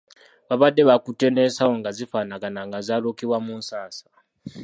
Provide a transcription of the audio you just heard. Baabadde bakutte n'ensawo nga zifaanagana nga zaalukibwa mu nsansa.